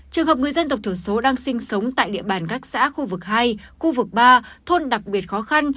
trường hợp người dân tộc thiểu số đang sinh sống tại địa bàn các xã khu vực hai khu vực ba thôn đặc biệt khó khăn